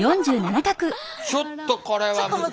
ちょっとこれは難しいですね。